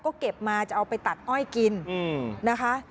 ก็เก็บมาจะเอาไปตัดอ้อยกินนะคะ